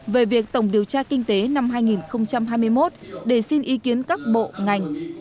về việc tổng điều tra kinh tế năm hai nghìn hai mươi một để xin ý kiến các bộ ngành